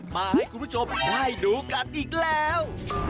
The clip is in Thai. มาให้คุณผู้ชมได้ดูกันอีกแล้ว